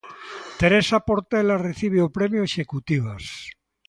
Teresa Portela recibe o Premio Executivas.